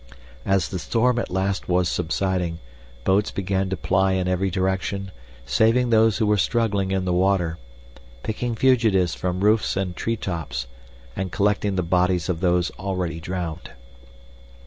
As the storm at last was subsiding, boats began to ply in every direction, saving those who were struggling in the water, picking fugitives from roofs and treetops, and collecting the bodies of those already drowned."